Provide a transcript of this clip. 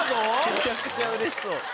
・めちゃくちゃうれしそう・